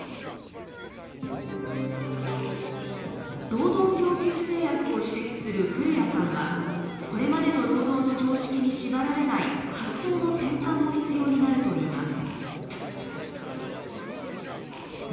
労働供給制約を指摘する古屋さんはこれまでの労働の常識に縛られない発想の転換も必要になるといいます。